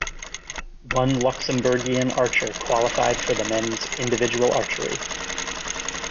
One Luxembourgian archer qualified for the men's individual archery.